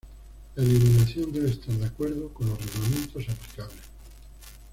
La eliminación debe estar de acuerdo con los reglamentos aplicables.